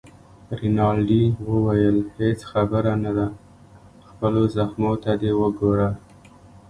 رینالډي وویل: هیڅ خبره نه ده، خپلو زخمو ته دې وګوره.